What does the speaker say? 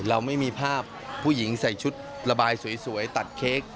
เราไม่มีภาพผู้หญิงใส่ชุดระบายสวยตัดเค้ก